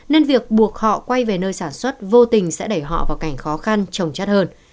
nên việc buộc họ quay về nơi sản xuất vô tình sẽ đẩy họ vào cảnh khó khăn trồng chất hơn